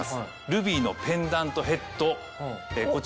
ルビーのペンダントヘッド